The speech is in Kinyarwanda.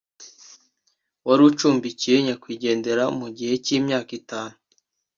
wari ucumbikiye nyakwigendera mu gihe cy’imyaka itanu